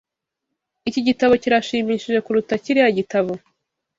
Iki gitabo kirashimishije kuruta kiriya gitabo.